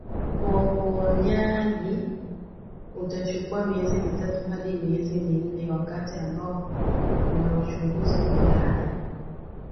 wa uponyaji utachukua miezi mitatu hadi miezi minne wakati ambao kuna uchungu kwenda haja